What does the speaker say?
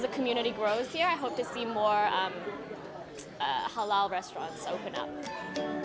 sebagai komunitas yang tumbuh di sini saya berharap bisa melihat lebih banyak restoran halal terbuka